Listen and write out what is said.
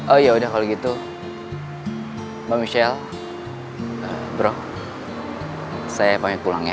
oh ya udah kalau gitu mbak michelle bro saya pamit pulang ya